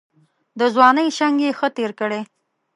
د ځوانۍ شنګ یې ښه تېر کړی.